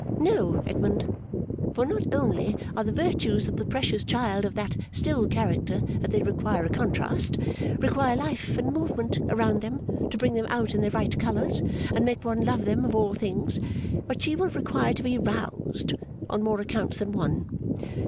'No, Edmund. For not only are the virtues of the precious child of that still character that they require a contrast require life and movement around them to bring them out in their right colours and make one love them of all things; but she will require to be roused, on more accounts than one.